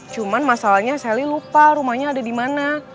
cuman masalahnya sally lupa rumahnya ada dimana